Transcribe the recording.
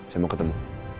saya mau ketemu